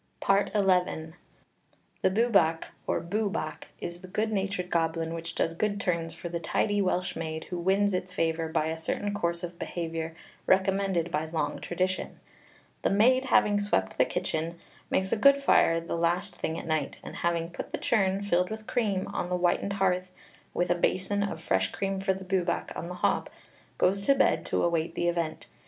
FOOTNOTE: Scott, 'Demonology and Witchcraft,' 121. XI. The Bwbach, or Boobach, is the good natured goblin which does good turns for the tidy Welsh maid who wins its favour by a certain course of behaviour recommended by long tradition. The maid having swept the kitchen, makes a good fire the last thing at night, and having put the churn, filled with cream, on the whitened hearth, with a basin of fresh cream for the Bwbach on the hob, goes to bed to await the event.